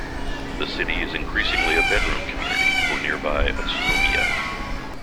The city is increasingly a bedroom community for nearby Utsunomiya.